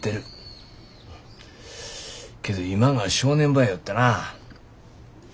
けど今が正念場やよってな。